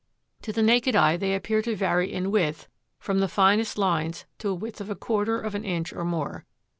To the naked eye they appear to vary in width from the finest lines to a width of a quarter of an inch or more.